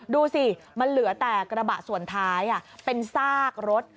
ดูสิมันเหลือแต่กระบะส่วนท้ายเป็นซากรถ